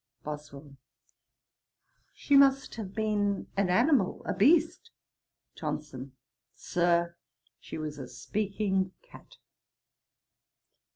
BOSWELL. 'She must have been an animal, a beast.' JOHNSON. 'Sir, she was a speaking cat.'